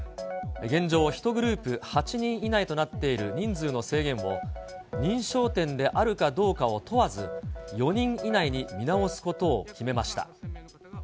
現状、１グループ８人以内となっている人数の制限を、認証店であるかどうかを問わず、４人以内に見直すことを決めました。